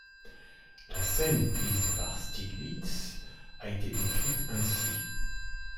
La scène prise par Stieglitz a été décrite ainsi.